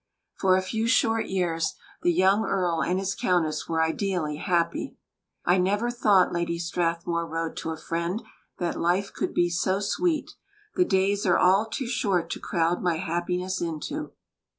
For a few short years the young Earl and his Countess were ideally happy. "I never thought," Lady Strathmore wrote to a friend, "that life could be so sweet. The days are all too short to crowd my happiness into."